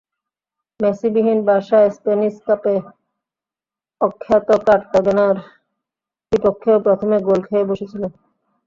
মেসি-বিহীন Barca Spanish কাপে অখ্যাত কার্তাগেনার বিপক্ষেও প্রথমে গোল খেয়ে বসেছিল।